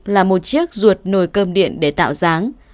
là một chiếc ruột nồi cơm điện để tạo dáng